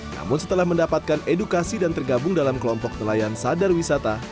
namun setelah mendapatkan edukasi dan tergabung dalam kelompok nelayan sadar wisata